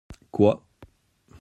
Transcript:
Quoi ?